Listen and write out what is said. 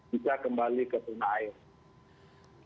bisa kembali ke tanah air